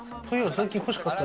最近欲しかった。